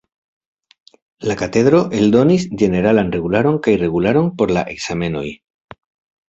La Katedro eldonis ĝeneralan regularon kaj regularon por la ekzamenoj.